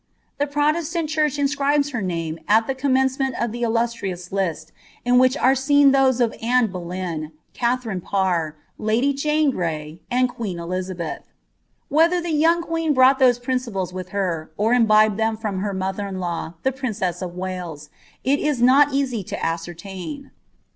* The Proiesiani church inscribes her name at the roniDiRncrmeni of the illustrious list in which are seen ihos? of Anne BolevR, Katharine Parr, lady Jane Grey, nnd tiueen Elisabeth. Whether lJi« young queen brought those principles wiih her, or imbibed them froai her mother in law, the princess of Wales, it is not easy to ascei^ tun.